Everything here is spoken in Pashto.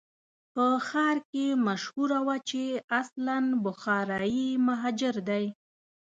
په ښار کې مشهوره وه چې اصلاً بخارایي مهاجر دی.